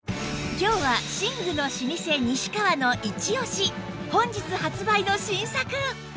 今日は寝具の老舗西川のイチオシ本日発売の新作！